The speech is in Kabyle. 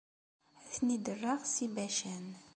Ad ten-id-rreɣ si Bacan.